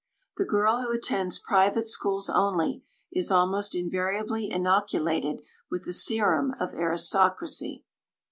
The girl who attends private schools only, is almost invariably inoculated with the serum of aristocracy.